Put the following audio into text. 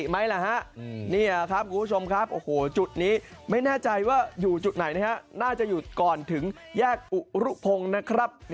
ไม่แน่ใจว่าอยู่จุดไหนนะฮะน่าจะอยู่ก่อนถึงแยกอุรุภงนะครับ